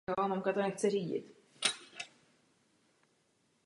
Spolupráce s Radou zahrnovala několik po sobě jdoucích předsednictví.